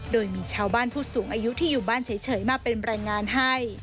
โดยมีชาวบ้านผู้สูงอายุที่อยู่บ้านเฉยมาเป็นรายงานให้